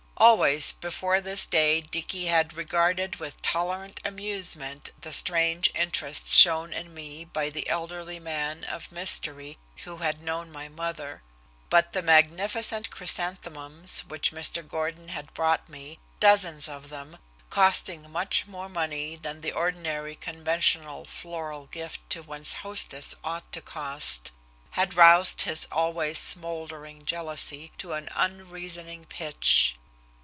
Always before this day Dicky had regarded with tolerant amusement the strange interest shown in me by the elderly man of mystery who had known my mother. But the magnificent chrysanthemums which Mr. Gordon had brought me, dozens of them, costing much more money than the ordinary conventional floral gift to one's hostess ought to cost, had roused his always smouldering jealousy to an unreasoning pitch.